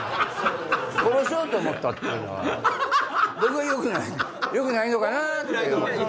殺そうと思ったっていうのは僕はよくないよくないのかなっていう。